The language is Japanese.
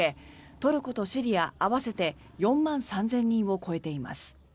トルコとシリア合わせて４万３０００人を超えています。